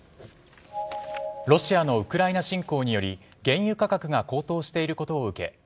ロシアのウクライナ侵攻により原油価格が高騰していることを受け